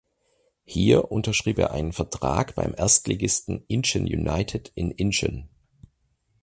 Hier unterschrieb er einen Vertrag beim Erstligisten Incheon United in Incheon.